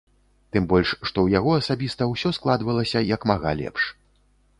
Тым больш, што ў яго асабіста ўсё складвалася як мага лепш.